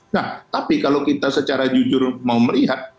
nah tapi kalau kita secara jujur mau melihat